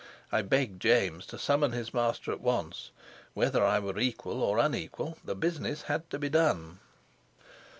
I begged James to summon his master at once. Whether I were equal or unequal, the business had to be done.